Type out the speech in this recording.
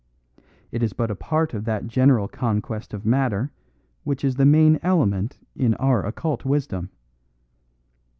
It is but a part of that general conquest of matter which is the main element in our occult wisdom.